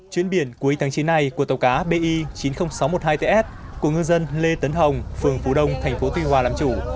chuyến biển cuối tháng chín này của tàu cá bi chín mươi nghìn sáu trăm một mươi hai ts của ngư dân lê tấn hồng phường phú đông thành phố tuy hòa làm chủ